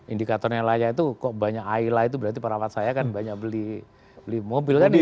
indikatornya layak itu kok banyak air lah itu berarti perawat saya kan banyak beli mobil kan itu